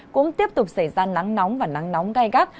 cũng tiếp tục xảy ra nắng nóng và nắng nóng gai gắt